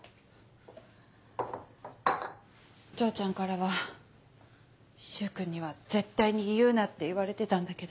丈ちゃんからは柊君には絶対に言うなって言われてたんだけど。